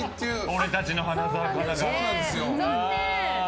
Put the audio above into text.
俺たちの花澤香菜が。